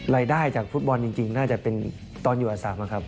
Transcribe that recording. รายได้จากฟุตบอลจริงน่าจะเป็นตอนอยู่อ๓นะครับ